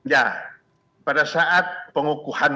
ya pada saat pengukuhan